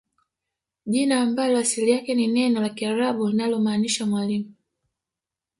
Jina ambalo asili yake ni neno la kiarabu linalomaanisha mwalimu